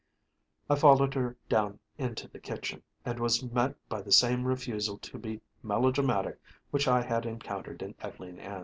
I followed her down into the kitchen and was met by the same refusal to be melodramatic which I had encountered in Ev'leen Ann.